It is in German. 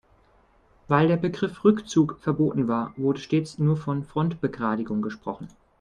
Weil der Begriff "Rückzug" verboten war, wurde stets nur von Frontbegradigung gesprochen.